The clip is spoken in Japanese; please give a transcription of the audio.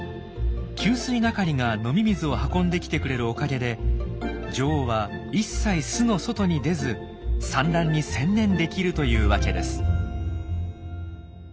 給水係が飲み水を運んできてくれるおかげで女王は一切巣の外に出ず産卵に専念できるというわけです。